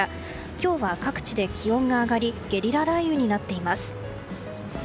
今日は、各地で気温が上がりゲリラ雷雨になっています。